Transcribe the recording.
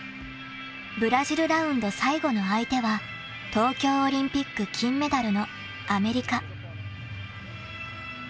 ［ブラジルラウンド最後の相手は東京オリンピック金メダルのアメリカ］